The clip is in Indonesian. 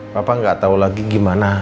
bapak gak tau lagi gimana